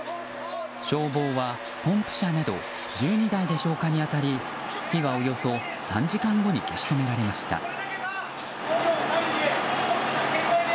消防はポンプ車など１２台で消火に当たり火はおよそ３時間後に消し止められました。